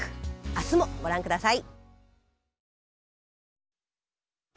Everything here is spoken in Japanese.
明日もご覧ください。